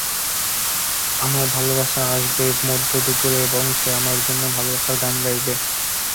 আমার ভালোবাসা আসবে মধ্য দুপুরে এবং সে আমার জন্য ভালবাসার গান গাইবে।